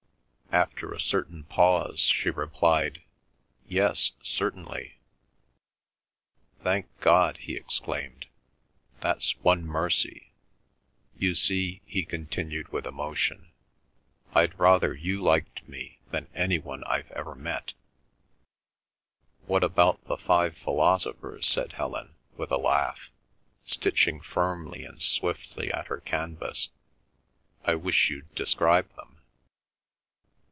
After a certain pause, she replied, "Yes, certainly." "Thank God!" he exclaimed. "That's one mercy. You see," he continued with emotion, "I'd rather you liked me than any one I've ever met." "What about the five philosophers?" said Helen, with a laugh, stitching firmly and swiftly at her canvas. "I wish you'd describe them."